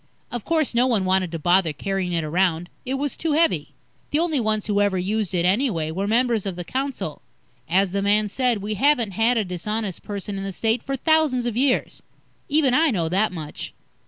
Of course, no one wanted to bother carrying it around. It was too heavy. The only ones who ever used it, anyway, were members of the council. As the man said, we haven't had a dishonest person in the State for thousands of years. Even I know that much.